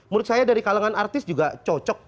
menurut saya dari kalangan artis juga cocok